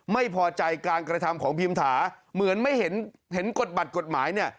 ไม่พอใจการกระทำของพิมถาเหมือนไม่เห็นเห็นกฎบัตรกฎหมายเนี่ย